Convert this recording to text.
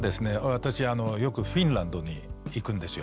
私よくフィンランドに行くんですよ。